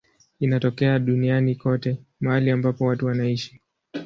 Inatokea duniani kote mahali ambapo watu wanaishi.